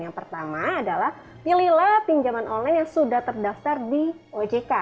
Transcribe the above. yang pertama adalah pilihlah pinjaman online yang sudah terdaftar di ojk